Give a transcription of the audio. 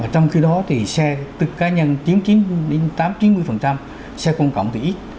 trong khi đó thì xe tự cá nhân chín mươi chín đến tám mươi chín mươi xe công cộng thì ít